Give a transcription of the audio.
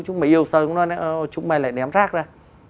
chúng mày yêu sao chúng mày lại ném rác ra